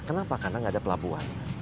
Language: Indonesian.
kenapa karena nggak ada pelabuhan